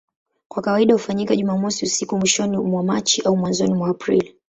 Kwa kawaida hufanyika Jumamosi usiku mwishoni mwa Machi au mwanzoni mwa Aprili.